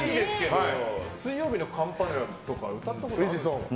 水曜日のカンパネラとか歌ったことありますか。